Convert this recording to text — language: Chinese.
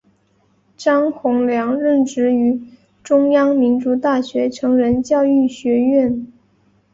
张宏良任职于中央民族大学成人教育学院。